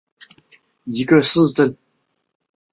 上特鲁巴赫是德国巴伐利亚州的一个市镇。